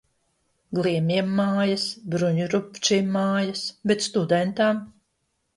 Gliemjiem mājas. Bruņurupučiem mājas. Bet studentam?!..